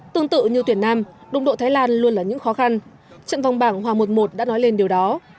tương tự như tuyển nam đồng độ thái lan luôn là những khó khăn trận vòng bảng hòa một một đã nói lên điều đó